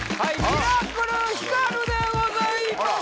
ミラクルひかるでございます